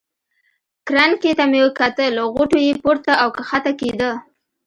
کرنکې ته مې کتل، غوټو یې پورته او کښته کېده.